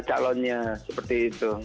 calonnya seperti itu